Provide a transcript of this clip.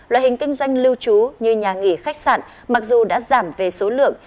loại hình kinh doanh lưu trú như nhà nghỉ khách sạn mặc dù đã giảm về số lượng